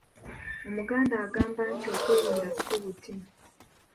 "Omuganda agamaba nti, “Okwerinda si buti...”"